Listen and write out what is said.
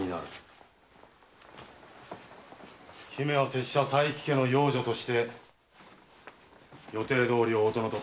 姫は拙者佐伯家の養女として予定どおり大殿と対面してもらう。